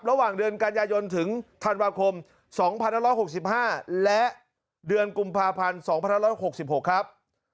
ระหว่างเดือนกันยายนถึงธันวาคม๒๑๖๕และเดือนกุมภาพันธ์๒๑๖๖ครับ